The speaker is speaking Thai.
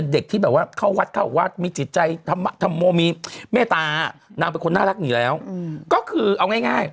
เด็กที่เข้าวัดมีจิตใจทำโมมีเมตตานางเป็นคนน่ารักอยู่แล้วก็คือเอาง่าย